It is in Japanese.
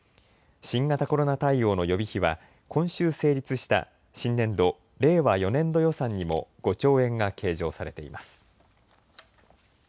新型コロナ対応の予備費は今週成立した新年度・令和４年度予算にも５兆円が計上されています。